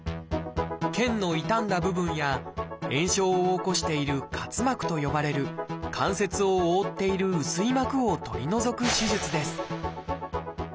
腱の傷んだ部分や炎症を起こしている「滑膜」と呼ばれる関節を覆っている薄い膜を取り除く手術です。